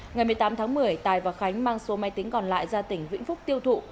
ngày một mươi tám tháng một mươi tài và khánh mang số máy tính còn lại ra tỉnh vĩnh phúc tiêu thụ